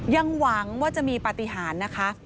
ยังหวังว่าจะมีปฏิหารนะคะ